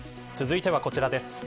続いてはこちらです。